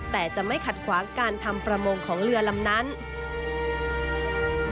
แต่จะไม่ขัดขวางการทำประมงของเรือลำนั้น